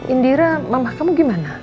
indira mama kamu gimana